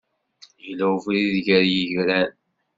Yella ubrid gar yigran.